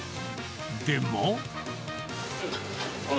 でも。